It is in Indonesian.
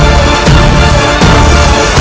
aku akan mencari penyelesaianmu